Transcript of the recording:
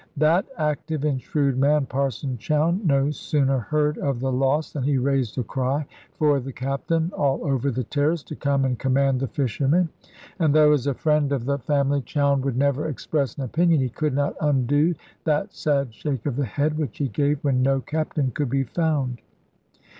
That active and shrewd man Parson Chowne no sooner heard of the loss than he raised a cry for the Captain all over the terrace, to come and command the fishermen; and though as a friend of the family Chowne would never express an opinion, he could not undo that sad shake of the head which he gave when no Captain could be found.